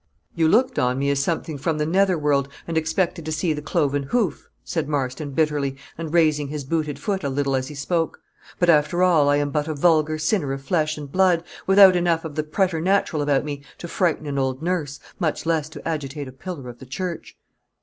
"You looked on me as something from the nether world, and expected to see the cloven hoof," said Marston, bitterly, and raising his booted foot a little as he spoke; "but, after all, I am but a vulgar sinner of flesh and blood, without enough of the preternatural about me to frighten an old nurse, much less to agitate a pillar of the Church."